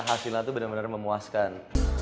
hasilnya itu benar benar memuaskan